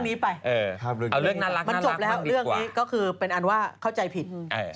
มันจบแล้วเรื่องนี้ก็คือเป็นอันว่าเข้าใจผิด